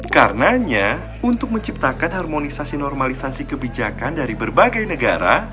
karenanya untuk menciptakan harmonisasi normalisasi kebijakan dari berbagai negara